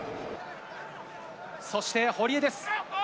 そして、堀江です。